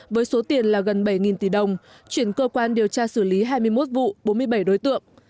với số tiền là gần bảy tỷ đồng chuyển cơ quan điều tra xử lý hai mươi một vụ bốn mươi bảy đối tượng